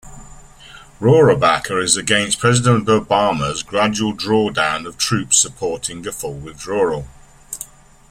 Rohrabacher is against President Obama's gradual draw down of troops supporting a full withdrawal.